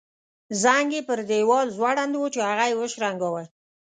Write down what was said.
زنګ یې پر دیوال ځوړند وو چې هغه یې وشرنګاوه.